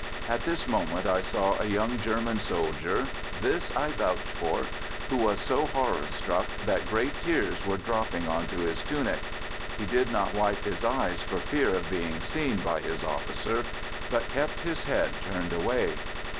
At this moment I saw a young German soldier this I vouch for who was so horror struck that great tears were dropping onto his tunic: he did not wipe his eyes for fear of being seen by his officer, but kept his head turned away.